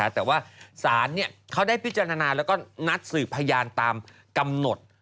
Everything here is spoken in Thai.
แต่ว่าศาลเขาได้พิจารณาแล้วก็นัดสืบพยานตามกำหนด